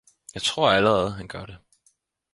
jeg tror allerede, han gør det!